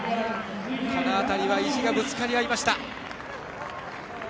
この辺りは意地がぶつかり合いました。